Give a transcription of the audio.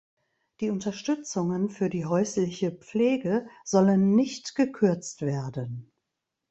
Die Unterstützungen für die häusliche Pflege sollen nicht gekürzt werden.